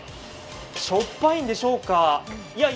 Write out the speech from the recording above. しょっぱいんでしょうか。